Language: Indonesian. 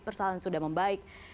perasaan sudah membaik